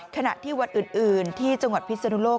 ขณะที่วัดอื่นที่จังหวัดพิศนุโลก